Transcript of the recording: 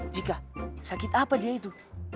jika sakit apa dia itu